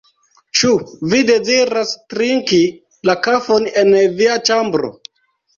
Ĉu vi deziras trinki la kafon en via ĉambro?